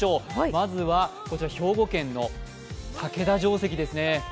まずはこちら、兵庫県の竹田城跡ですね。